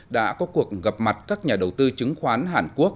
đã có cuộc gặp mặt các nhà đầu tư chứng khoán hàn quốc